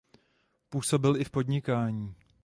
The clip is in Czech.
Působil i v podnikání.